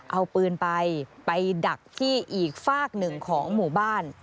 เอาปืนไปไปดักที่อีกฝากหนึ่งของหมู่บ้าน